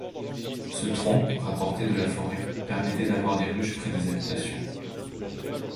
Ce tronc, rapporté de la forêt, permettait d'avoir des ruches près des habitations.